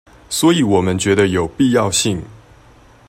所以我們覺得有必要性